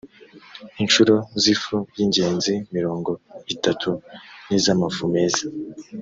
incuro z’ifu y’ingezi mirongo itatu n’iz’amafu meza